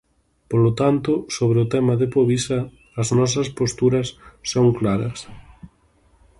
Polo tanto, sobre o tema de Povisa as nosas posturas son claras.